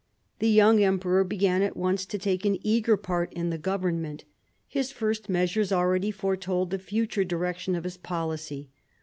The young emperor began at once to take an eager part in the government. His first measures already foretold the future direction of his policy.